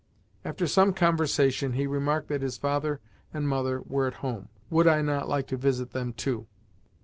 After some conversation he remarked that his father and mother were at home. Would I not like to visit them too?